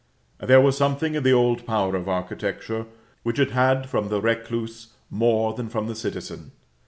There was something in the old power of architecture, which it had from the recluse more than from the citizen.